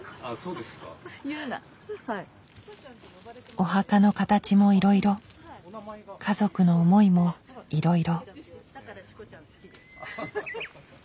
お墓の形もいろいろ家族の思いもいろいろ。